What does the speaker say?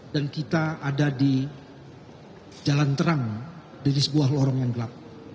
dan kita ada di jalan terang dari sebuah lorong yang gelap